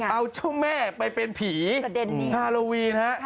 เอาเจ้าแม่ไปเป็นผีฮาโลวีนฮะ